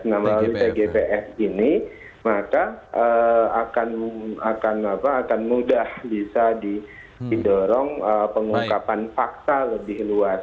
nah melalui tgpf ini maka akan mudah bisa didorong pengungkapan fakta lebih luas